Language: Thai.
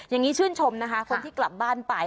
อย่างนี้ชื่นชมนะคะคนที่กลับบ้านไป